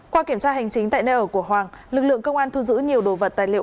qua kiểm tra hành chính tại nơi ở của hoàng lực lượng công an thu giữ nhiều đồ vật tài liệu